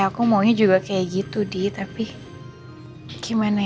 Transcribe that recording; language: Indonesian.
iya aku maunya juga kayak gitu di tapi aku mau ngobrol sama pak aldi baran